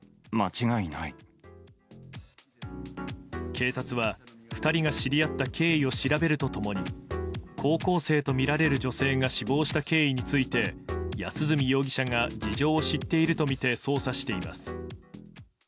警察は、２人が知り合った経緯を調べると共に高校生とみられる女性が死亡した経緯について安栖容疑者が事情を知っているとみて捜査しています。